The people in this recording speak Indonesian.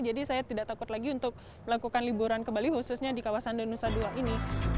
jadi saya tidak takut lagi untuk melakukan liburan ke bali khususnya di kawasan denusa ii ini